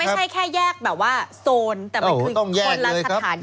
มันไม่ใช่แค่แยกแบบว่าโซนแต่มันคือคนลักสถานที่